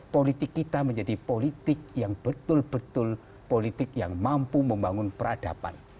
politik kita menjadi politik yang betul betul politik yang mampu membangun peradaban